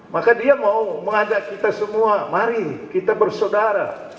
maka dia mau mengajak kita semua mari kita bersaudara